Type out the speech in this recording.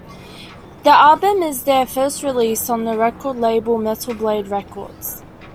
The album is their first release on the record label Metal Blade Records.